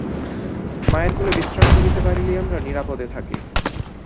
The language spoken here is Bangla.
মায়ের কোলে বিশ্রাম করিতে পারিলেই আমরা নিরাপদে থাকি।